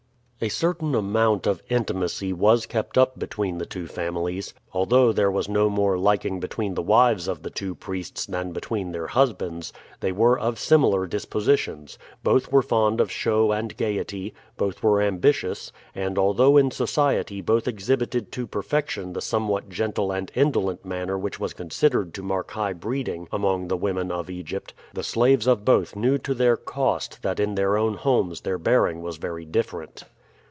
A certain amount of intimacy was kept up between the two families. Although there was no more liking between the wives of the two priests than between their husbands, they were of similar dispositions both were fond of show and gayety, both were ambitious; and although in society both exhibited to perfection the somewhat gentle and indolent manner which was considered to mark high breeding among the women of Egypt, the slaves of both knew to their cost that in their own homes their bearing was very different.